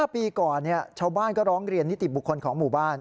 ปีก่อนชาวบ้านก็ร้องเรียนนิติบุคคลของหมู่บ้าน